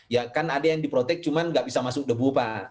ya kan ada yang di protect cuma gak bisa masuk debu pak